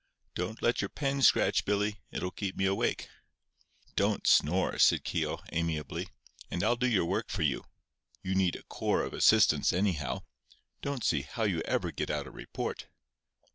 Don't let your pen scratch, Billy; it'll keep me awake." "Don't snore," said Keogh, amiably, "and I'll do your work for you. You need a corps of assistants, anyhow. Don't see how you ever get out a report.